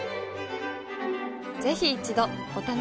ぜひ一度お試しを。